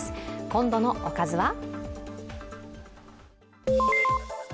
今度のおかずは？